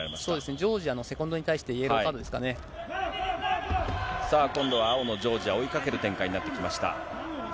ジョージアのセコンドに対しさあ、今度は青のジョージア、追いかける展開になってきました。